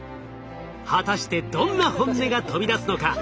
果たしてどんな本音が飛び出すのか？